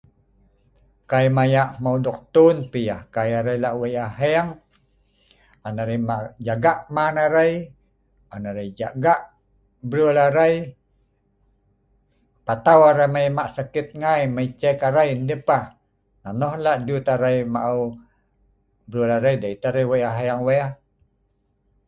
Kai mayak hmeu duktun, pii yah kai arai lak wik aheng on arai jaga man arai, on arai jaga bruew arai, patau arai mei hmak sakit ngai, mei check arai deh pah, nonoh lah du'ut arai maol bruew dei te'h arai wik aheng wey